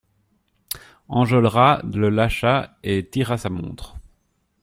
Enjolras le lâcha et tira sa montre.